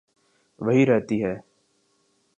وہیں رہتی ہے۔